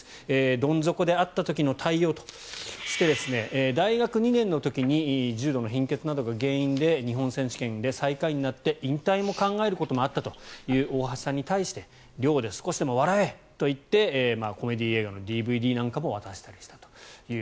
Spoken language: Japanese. どん底にあった時の対応として大学２年の時に重度の貧血などが原因で日本選手権で最下位になったこともあって引退も考えた大橋さんに対して寮で少しでも笑えと言ってコメディー映画のＤＶＤも渡したと。